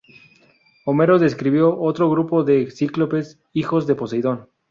Homero describió otro grupo de cíclopes, hijos de Poseidón.